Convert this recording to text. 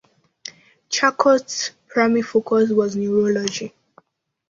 Charcot's primary focus was neurology.